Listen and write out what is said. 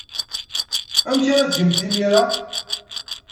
Amek ara tgemt imir-a?